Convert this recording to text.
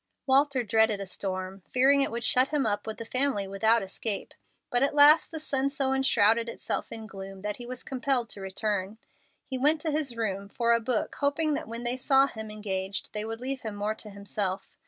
Walter dreaded a storm, fearing it would shut him up with the family without escape; but at last the sun so enshrouded itself in gloom that he was compelled to return. He went to his room, for a book, hoping that when they saw him engaged they would leave him more to himself.